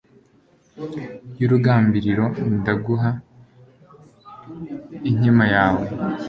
y' urugambiriro ndaguha inkima yawe